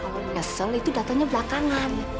kalau kesel itu datangnya belakangan